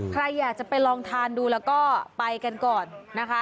ใครอยากจะไปลองทานดูแล้วก็ไปกันก่อนนะคะ